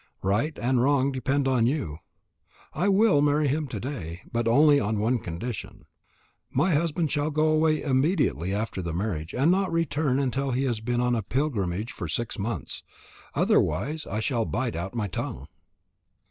Right and wrong depend on you. I will marry him to day, but only on one condition. My husband shall go away immediately after the marriage and not return until he has been on a pilgrimage for six months. Otherwise I shall bite out my tongue."